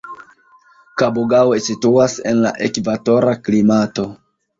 Kabugao situas en la ekvatora klimato.